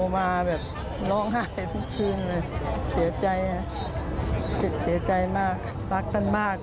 ไม่ได้ลงมือกับเด็กจะจัดปอลิหาร